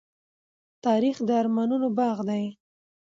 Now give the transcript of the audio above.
تاریخ د ارمانونو باغ دی.